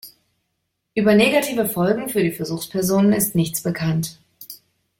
Über negative Folgen für die Versuchspersonen ist nichts bekannt.